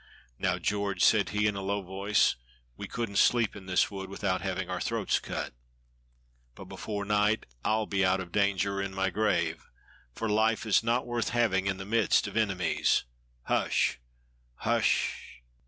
"Now, George," said he, in a low voice, "we couldn't sleep in this wood without having our throats cut, but before night I'll be out of danger or in my grave, for life is not worth having in the midst of enemies. Hush! hus s sh!